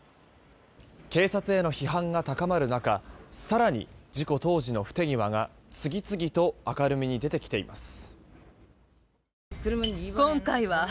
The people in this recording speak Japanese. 警察への批判が高まる中更に事故当時の不手際が次々と明るみに出てきています。